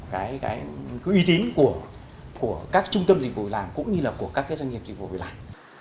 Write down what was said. cái uy tín của các trung tâm dịch vụ làm cũng như là của các cái doanh nghiệp dịch vụ việc làm